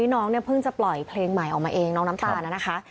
น้องน้ำตาลเพิ่งจะปล่อยเพลงใหม่นะคะ